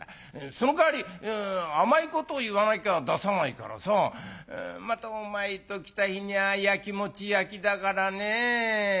そのかわり甘いこと言わなきゃ出さないからさまたお前ときた日にゃあやきもちやきだからねぇ。